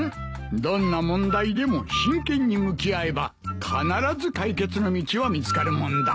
どんな問題でも真剣に向き合えば必ず解決の道は見つかるもんだ。